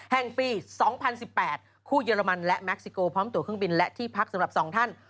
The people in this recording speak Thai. แห่งปี๒๐๑๘คู่เยอรมันและแม็กซิโกพร้อมตัวเครื่องบินและที่พักสำหรับ๒ท่าน